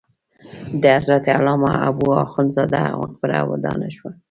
د حضرت علامه حبو اخند زاده مقبره ودانه شوه.